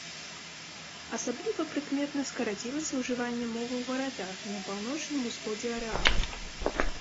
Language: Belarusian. Асабліва прыкметна скарацілася ўжыванне мовы ў гарадах і на паўночным усходзе арэала.